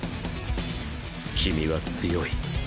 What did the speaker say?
君は強い。